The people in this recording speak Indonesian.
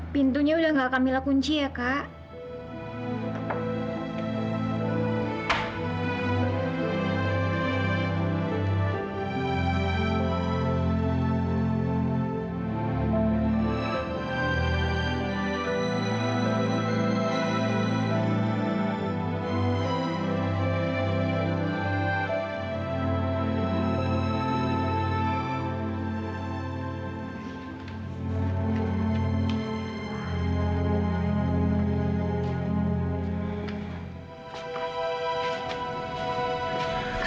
pintunya udah nggak alkamila kunci ya kak